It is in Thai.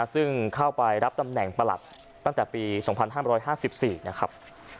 ซึ่งเข้าไปรับตำแหน่งประหลัดตั้งแต่ปี๒๕๕๔นะครับ